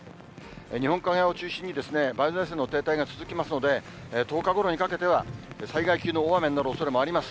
日本海側を中心に、梅雨前線の停滞が続きますので、１０日ごろにかけては、災害級の大雨になるおそれもあります。